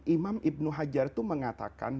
imam ibnu hajar mengatakan